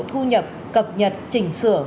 thu nhập cập nhật chỉnh sửa